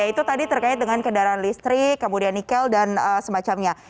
itu tadi terkait dengan kendaraan listrik kemudian nikel dan semacamnya